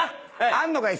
あんのかい？